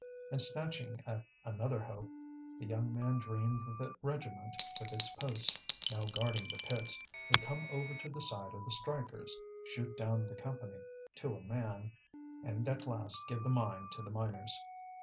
And snatching at another hope, the young man dreamed that the regiment, with its posts, now guarding the pits, would come over to the side of the strikers, shoot down the Company to a man, and at last give the mine to the miners.